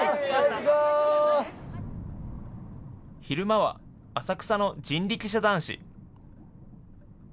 昼間は浅草の人力車男子。